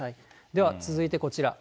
では、続いてこちら。